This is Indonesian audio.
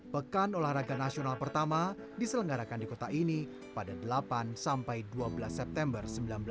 pekan olahraga nasional pertama diselenggarakan di kota ini pada delapan sampai dua belas september seribu sembilan ratus empat puluh